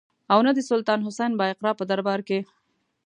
او نه د سلطان حسین بایقرا په دربار کې.